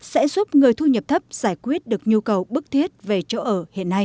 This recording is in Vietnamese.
sẽ giúp người thu nhập thấp giải quyết được nhu cầu bức thiết về chỗ ở hiện nay